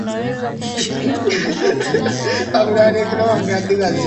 Mbulu ilikuwa na wakazi laki mbili thelathini na saba mia nane themanini na mbili